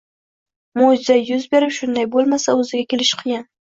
Mo`jiza yuz berib shunday bo`lmasa, o`ziga kelishi qiyin